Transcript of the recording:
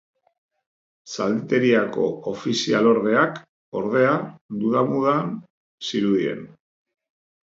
Zalditeriako ofizialordeak, ordea, duda-mudan zirudien.